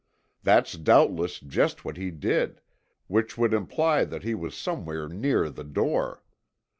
That's doubtless just what he did, which would imply that he was somewhere near the door.